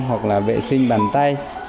hoặc là vệ sinh bàn tay